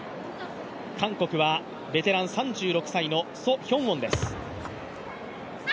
韓国はベテラン３６歳のソ・ヒョウォンです。